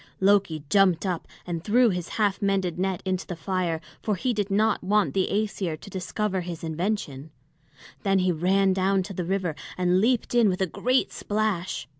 Loki jumped up and threw his half mended net into the fire, for he did not want the Æsir to discover his invention; then he ran down to the river and leaped in with a great splash.